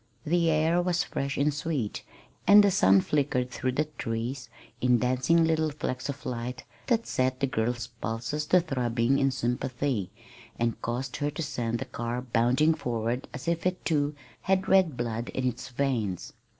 The air was fresh and sweet, and the sun flickered through the trees in dancing little flecks of light that set the girl's pulses to throbbing in sympathy, and caused her to send the car bounding forward as if it, too, had red blood in its veins.